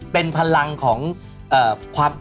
เป็นพลังของความ